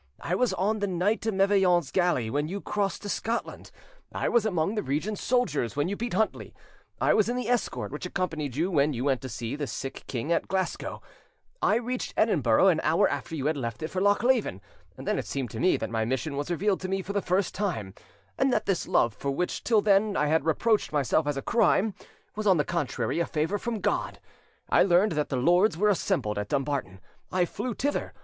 I was on the knight of Mevillon's galley when you crossed to Scotland; I was among the regent's soldiers when you beat Huntly; I was in the escort which accompanied you when you went to see the sick king at Glasgow; I reached Edinburgh an hour after you had left it for Lochleven; and then it seemed to me that my mission was revealed to me for the first time, and that this love for which till then, I had reproached myself as a crime, was on the contrary a favour from God. I learned that the lords were assembled at Dumbarton: I flew thither.